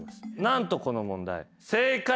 何とこの問題。